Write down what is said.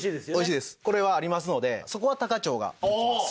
これはありますのでそこは多可町が持ちます。